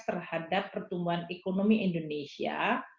terhadap pertumbuhan ekonomi indonesia